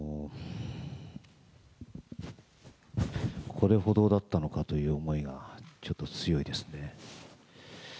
これほどだったのかという思いが、ちょっと強いですね。